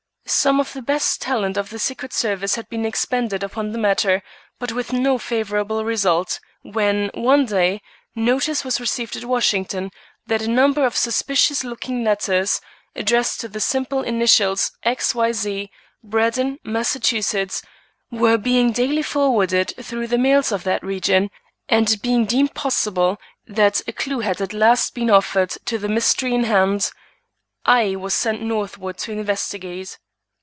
Some of the best talent of the Secret Service had been expended upon the matter, but with no favorable result, when, one day, notice was received at Washington that a number of suspicious looking letters, addressed to the simple initials, X. Y. Z., Brandon, Mass., were being daily forwarded through the mails of that region; and it being deemed possible that a clue had at last been offered to the mystery in hand, I was sent northward to investigate.